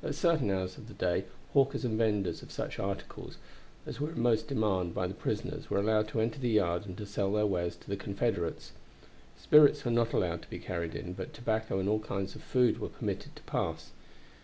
At certain hours of the day hawkers and vendors of such articles as were in most demand by the prisoners were allowed to enter the yard and to sell their wares to the Confederates. Spirits were not allowed to be carried in, but tobacco and all kinds of food were permitted to pass.